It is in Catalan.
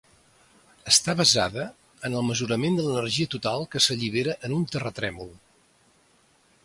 Està basada en el mesurament de l'energia total que s'allibera en un terratrèmol.